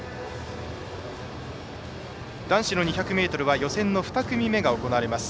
男子の２００ｍは予選の２組目が行われます。